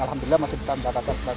alhamdulillah masih bisa melakukan tugas